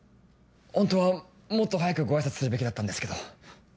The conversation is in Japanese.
ホントはもっと早くご挨拶するべきだったんですけど。